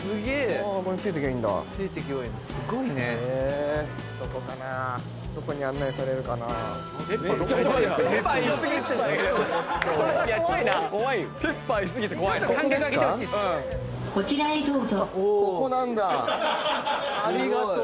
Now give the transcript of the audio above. ありがとう。